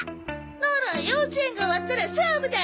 なら幼稚園が終わったら勝負だ。